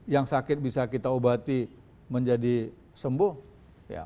yang sakit bisa kita obati menjadi sembuh ya